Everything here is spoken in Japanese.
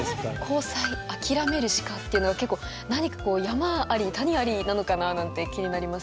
「交際あきらめるしか」っていうのが結構何か山あり谷ありなのかななんて気になりますね。